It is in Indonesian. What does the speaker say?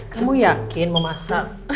kamu yakin mau masak